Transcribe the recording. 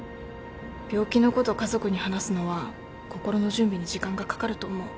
病気のこと家族に話すのは心の準備に時間がかかると思う。